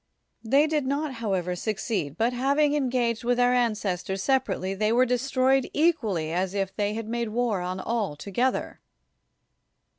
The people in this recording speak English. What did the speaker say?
90 ISOCRATES They did not, however, succeed, but having engaged with our ancestors separately, they were destroyed equally as if they had made war on all together.